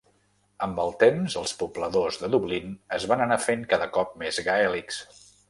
Amb el temps, els pobladors de Dublín es van anar fent cada cop més gaèlics.